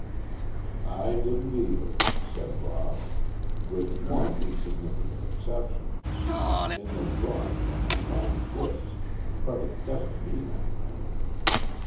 "I didn't either," said Rob, "with one insignificant exception; in the drawing room I found this, but it doesn't mean anything."